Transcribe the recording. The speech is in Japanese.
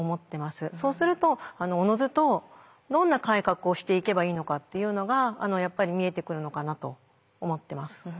そうするとおのずとどんな改革をしていけばいいのかっていうのがやっぱり見えてくるのかなと思ってます。